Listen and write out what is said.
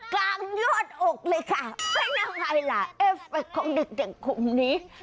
กลางยอดอกเลยค่ะไม่น่าไงล่ะเอฟเฟคของเด็กคุมนี้